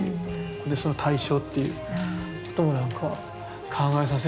それでその対象っていうことなのか考えさせるんだ。